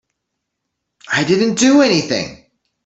I didn't do anything.